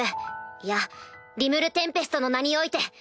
いやリムル＝テンペストの名において。